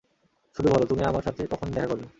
শুধু বলো তুমি আমাঢ় সাথে কখন দেখ করবে।